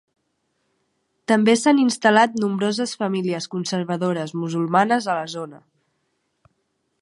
També s'han instal·lat nombroses famílies conservadores musulmanes a la zona.